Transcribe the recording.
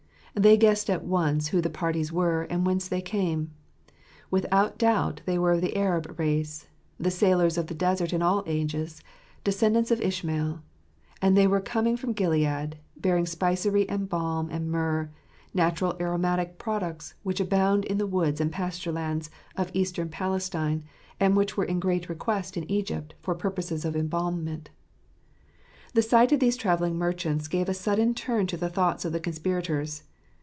They guessed at once who the parties were and whence they came. Without doubt 'hey were of the Arab race, the sailors of the desert in all ages, descendants of Ishmael; and they were coming from Gilead, bearing spicery and balm and myrrh, natural aromatic products which abound in the woods and pasture lands of Eastern Palestine, and which were in great request in Egypt for purposes of embalmment. The sight of these travelling merchants gave a sudden turn to the thoughts of the conspirators.